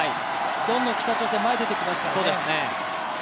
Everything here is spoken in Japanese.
どんどん北朝鮮、前に出てきますからね。